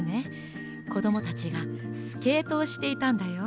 こどもたちがスケートをしていたんだよ。